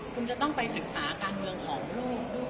คุณจะต้องไปศึกษาการเมืองของลูก